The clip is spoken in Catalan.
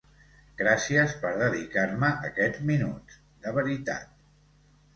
Gràcies per dedicar-me aquests minuts, de veritat.